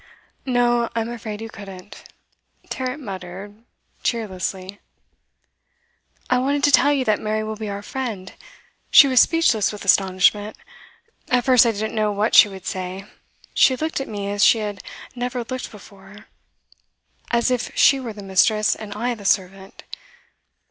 'No, I'm afraid you couldn't,' Tarrant muttered cheerlessly. 'I wanted to tell you that Mary will be our friend. She was speechless with astonishment; at first I didn't know what she would say; she looked at me as she had never looked before as if she were the mistress, and I the servant.